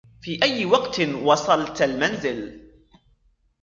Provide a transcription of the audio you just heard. في أي وقت وصلت المنزل؟